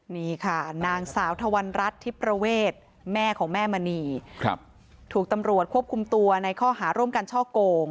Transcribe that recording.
นี่ค่ะนางสาวทวรรณรัฐทิประเวทแม่ของแม่มณีถูกตำรวจควบคุมตัวในข้อหาร่วมกันช่อโกง